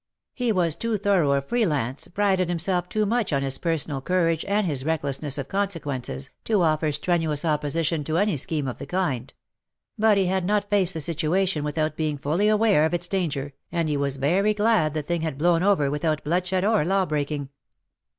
He was too thorough a free lance, prided him self too much on his personal courage and his recklessness of consequences, to offer strenuous opposition to any scheme of the kind ; but he had not faced the situation without being fully aware of its danger, and he was very glad the thing had blown over without bloodshed or law breaking.